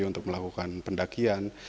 untuk melakukan pendakian